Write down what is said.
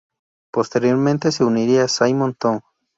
Posteriormente se uniría Simon Tong.